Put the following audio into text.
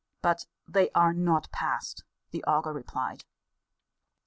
But they are not past, the augur replied.